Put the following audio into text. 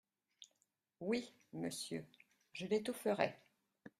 Oui, Monsieur, je l’étoufferais !…